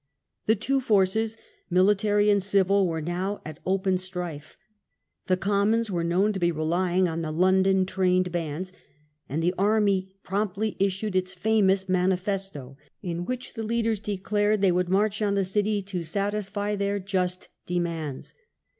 The two forces, military and civil, were now at open strife. The Commons were known to be relying on the London trained bands, and the army promptly issued its famous manifesto, in which the leaders declared they would march on the city to satisfy their "just demands".